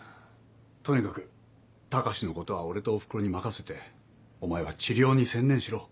とにかく高志のことは俺とお袋に任せてお前は治療に専念しろ。